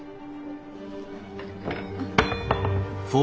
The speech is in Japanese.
あっ。